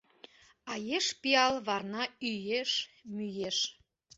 А еш пиал варна ÿеш, мÿеш.